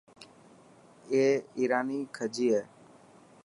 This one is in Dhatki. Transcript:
اي ايراني کجي هي.